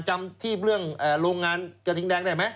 จำที่เรื่องโรงงานกระทิงแดงได้ไหม